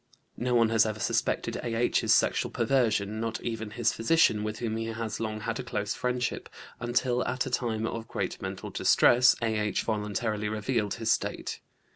No one has ever suspected A.H.'s sexual perversion, not even his physician, with whom he has long had a close friendship, until at a time of great mental distress A.H. voluntarily revealed his state.